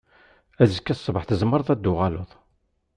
Azekka ṣṣbeḥ tzemreḍ ad d-tuɣaleḍ.